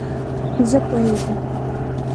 زه پوهېږم !